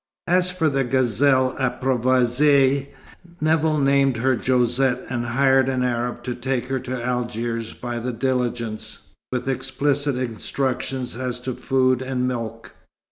As for the gazelle approvoisée, Nevill named her Josette, and hired an Arab to take her to Algiers by the diligence, with explicit instructions as to food and milk.